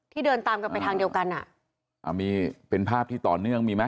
เดินตามกันไปทางเดียวกันอ่ะอ่ามีเป็นภาพที่ต่อเนื่องมีไหม